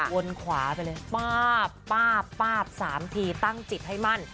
วนขวาไปเลยป้าบป้าบป้าบ๓ทีตั้งจิตให้มั่น